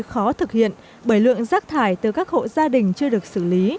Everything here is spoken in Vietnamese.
khó thực hiện bởi lượng rác thải từ các hộ gia đình chưa được xử lý